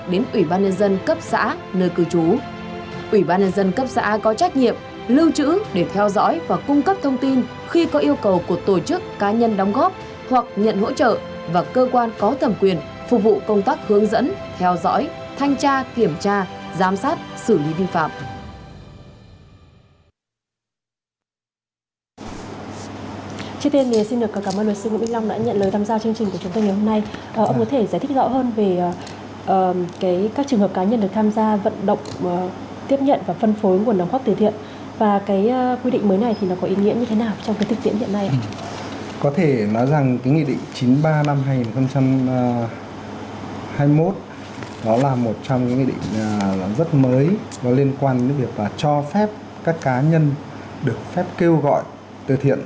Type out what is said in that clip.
điều hai mươi một đó là một trong những nghị định rất mới và liên quan đến việc cho phép các cá nhân được phép kêu gọi từ thiện